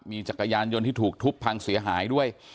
มีจักรยานยนต์ที่ถูกทุบพังเสียหายด้วย